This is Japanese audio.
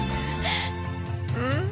うん？